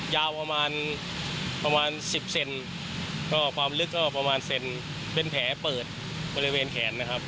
ยาวประมาณประมาณสิบเซนก็ความลึกก็ประมาณเซนเป็นแผลเปิดบริเวณแขนนะครับ